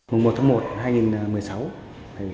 mùng một tháng một năm hai nghìn một mươi sáu